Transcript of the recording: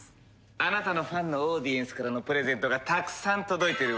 あなたのファンのオーディエンスからのプレゼントがたくさん届いてるわよ。